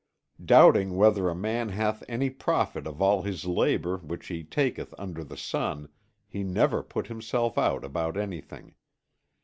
Doubting whether a man hath any profit of all his labour which he taketh under the sun he never put himself out about anything.